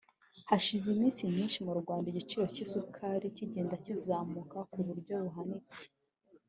Hashize iminsi myinshi mu Rwanda igiciro cy’isukari kigenda kizamuka ku buryo buhanitse